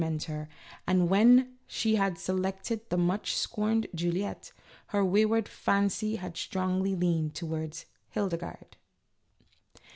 8 1 mentor, that when she had selected the much scorned " Juliette " her wayward fancy had strongly leaned towards " Hildegarde."